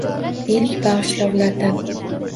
Ilk bag’ishlovlardan…